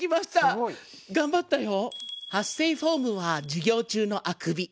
すごい！頑張ったよ。